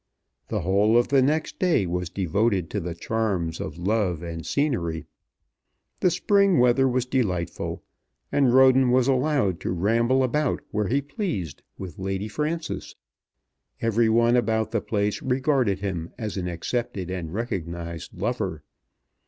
The whole of the next day was devoted to the charms of love and scenery. The spring weather was delightful, and Roden was allowed to ramble about where he pleased with Lady Frances. Every one about the place regarded him as an accepted and recognized lover.